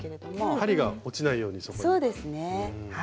針が落ちないようにそこには。